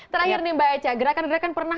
terakhir nih mbak eca gerakan gerakan pernah